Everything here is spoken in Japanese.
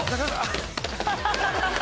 ハハハハ！